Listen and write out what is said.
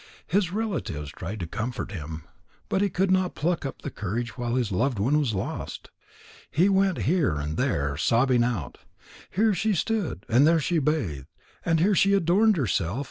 His relatives tried to comfort him, but he could not pluck up courage while his loved one was lost. He went here and there, sobbing out: "Here she stood. And here she bathed. And here she adorned herself.